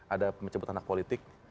ada penyebut anak politik